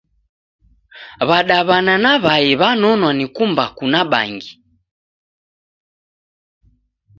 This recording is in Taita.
W'adaw'ana na Wai w'anonwa ni kumbaku na bangi.